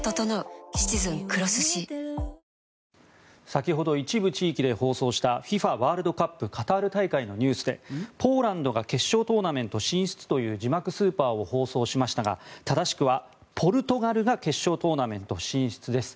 先ほど一部地域で放送したＦＩＦＡワールドカップカタール大会のニュースでポーランドが決勝トーナメント進出という字幕スーパーを放送しましたが正しくは、ポルトガルが決勝トーナメント進出です。